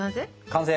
完成！